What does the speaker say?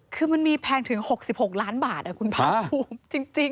คือมันมีแพงถึง๖๖ล้านบาทคุณภาคภูมิจริง